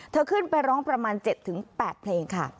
เธอขึ้นไปร้องประมาณ๗๘เพลงค่ะ